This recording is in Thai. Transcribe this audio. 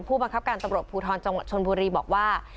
ผู้บังคับการตำรวจภูทรจังหวัดชนบุรีบอกว่า